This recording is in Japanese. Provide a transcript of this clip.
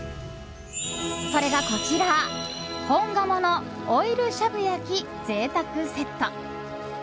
それがこちら本鴨のオイルしゃぶ焼き贅沢セット。